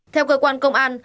theo cơ quan công an